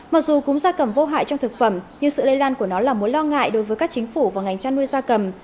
mặc dù cúm gia cầm vô hại trong thực phẩm nhưng sự lây lan của nó là mối lo ngại đối với các chính phủ và ngành chăn nuôi gia cầm